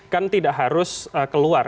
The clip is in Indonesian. kan tidak harus keluar